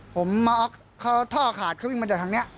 ผมมาออกเขาท่อขาดเขาวิ่งมาจากทางนี้